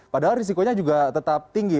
padahal risikonya juga tetap tinggi